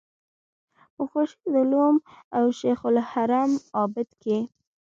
په خورشید علوم او شیخ الحرم عابد کې.